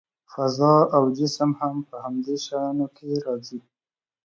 فضا او جسم هم په همدې شیانو کې راځي.